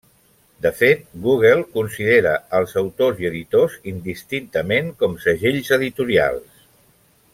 De fet, Google considera els autors i editors indistintament com segells editorials.